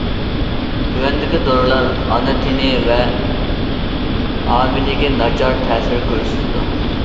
تۆۋەندىكى دورىلار ئانا تېنى ۋە ھامىلىگە ناچار تەسىر كۆرسىتىدۇ.